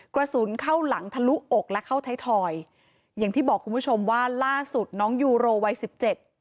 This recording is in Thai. กระสุนเข้าหลังทะลุอกและเข้าไทยทอยอย่างที่บอกคุณผู้ชมว่าล่าสุดน้องยูโรวัยสิบเจ็ด